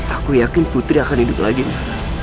aku yakin putri akan hidup lagi nih